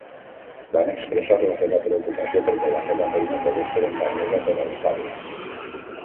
Van expressar la seva preocupació perquè la seva feina pogués ser enganyosa per als pares.